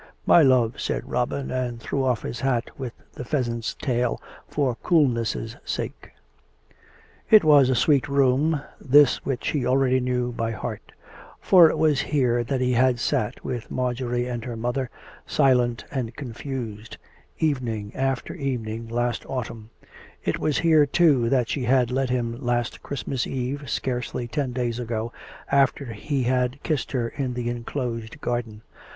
"My love," said Robin, and threw oflf his hat with the pheasant's tail, for coolness' sake. It was a sweet room this which he already knew by heart; for it was here that he had sat with Marjorie and her mother, silent and confused, evening after evening, last autumn; it was here, too, that she had led him last Christ mas Eve, scarcely ten days ago, after he had kissed her in the enclosed garden.